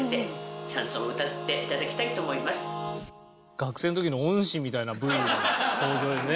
学生の時の恩師みたいなＶの登場でね。